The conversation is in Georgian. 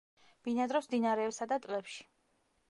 ბინადრობს მდინარეებსა და ტბებში.